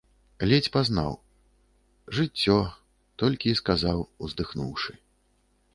Ледзь пазнаў. «Жыццё… »- толькі і сказаў, уздыхнуўшы.